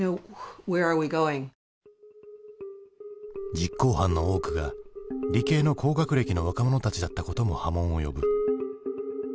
実行犯の多くが理系の高学歴の若者たちだったことも波紋を呼ぶ。